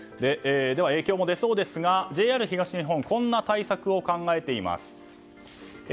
影響も出そうですがＪＲ東日本はこんな対策を考えています。